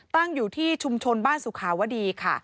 ตั้งอยู่ที่ชุมชนบ้านสุขาวดีค่ะ